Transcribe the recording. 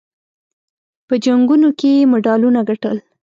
په جنګونو کې یې مډالونه ګټل.